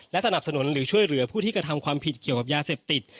สนับสนุนหรือช่วยเหลือผู้ที่กระทำความผิดเกี่ยวกับยาเสพติด